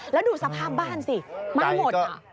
แล้วดูสภาพบ้านสิมาหมด